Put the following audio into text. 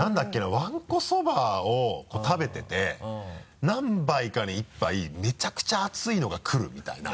わんこそばを食べてて何杯かに１杯めちゃくちゃ熱いのが来るみたいな。